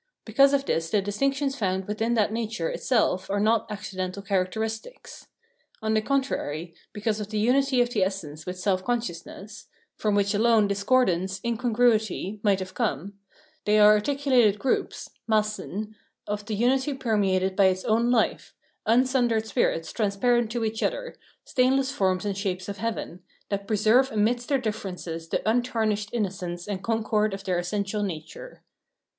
Because of this the distinctions found within that nature itself are not accidental characteristics. On the contrary, because of the unity of the essence with self consciousness (from which alone discordance, incon gruity, might have come), they are articulated groups (Massen) of the unity permeated by its own life, unsundered spirits transparent to each other, stainless forms and shapes of heaven, that preserve amidst their differences the untarnished innocence and concord of their essential nature.